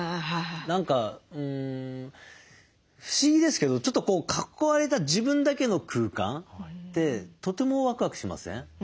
何か不思議ですけどちょっとこう囲われた自分だけの空間ってとてもワクワクしません？